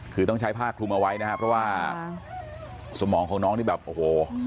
คือต้องใช้ผ้าคลุมเอาไว้นะครับเพราะว่าสมองของน้องนี่แบบโอ้โห